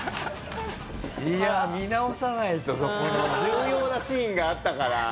いやあ見直さないとそこの重要なシーンがあったから。